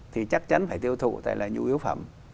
thì chắc chắn phải tiêu thụ tại là nhu yếu phẩm